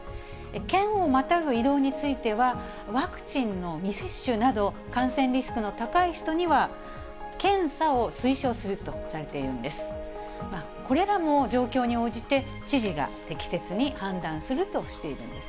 県をまたぐ移動については、ワクチンの未接種など、感染リスクの高い人には、検査を推奨するとされているんです。